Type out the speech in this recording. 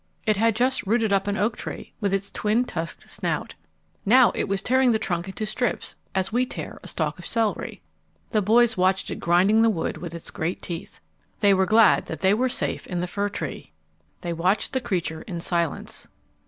It had just rooted up an oak tree with its twin tusked snout. Now it was tearing the trunk into strips as we tear a stalk of celery. The boys watched it grinding the wood with its great teeth. [Illustration: The big nosed rhinoceros] They were glad that they were safe in the fir tree. They watched the creature in silence.